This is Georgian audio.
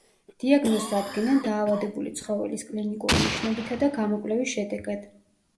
დიაგნოზს ადგენენ დაავადებული ცხოველის კლინიკური ნიშნებითა და გამოკვლევის შედეგად.